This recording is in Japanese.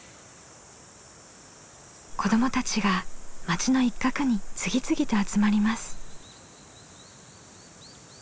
子どもたちが町の一角に次々と集まります。